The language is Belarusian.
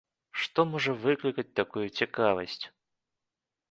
Што можа выклікаць такую цікавасць?